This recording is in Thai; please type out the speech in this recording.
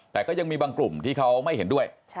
แต่ก็ยังมีบางกลุ่มที่เขาไม่เห็นด้วย